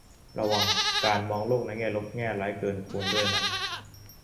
ระวังการมองโลกในแง่ลบแง่ร้ายเกินควรด้วยนะ